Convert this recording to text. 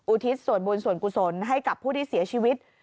ทิศส่วนบุญส่วนกุศลให้กับผู้ที่เสียชีวิต